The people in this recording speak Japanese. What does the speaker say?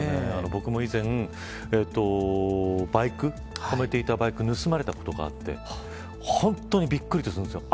僕も以前止めていたバイクを盗まれたことがあって本当にびっくりするんですよ。